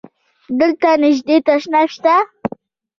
دلته نژدی تشناب شته؟